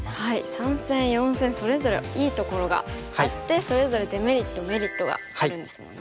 ３線４線それぞれいいところがあってそれぞれデメリットメリットがあるんですもんね。